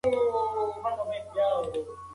زغم مې له خپلې تجربې څخه ترلاسه کړ.